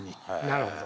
なるほど。